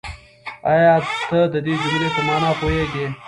آيا ته د دې جملې په مانا پوهېږې؟